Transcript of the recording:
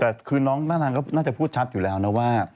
แต่คือน้องน่าจะพูดชัดอยู่แล้วนะว่า